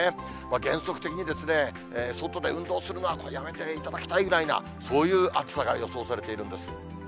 原則的に、外で運動するのはやめていただきたいくらいな、そういう暑さが予想されているんです。